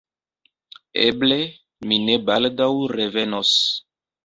Eble, mi ne baldaŭ revenos.